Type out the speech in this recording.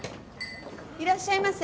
いらっしゃいませ。